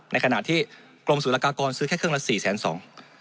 ในขณะที่กรมศุลกากรซื้อแค่เครื่องละสี่แสนสอง